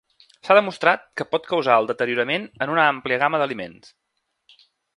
S'ha demostrat que pot causar el deteriorament en una àmplia gamma d'aliments.